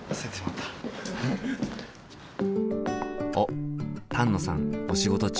おっ丹野さんお仕事中。